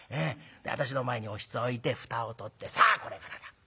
私の前におひつを置いて蓋を取ってさあこれからだ。